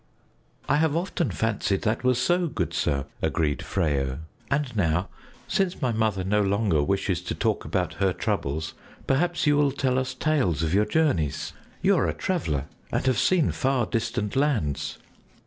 "I have often fancied that was so, good sir," agreed Freyo, "and now, since my mother no longer wishes to talk about her troubles, perhaps you will tell us tales of your journeys; you are a traveler and have seen far distant lands."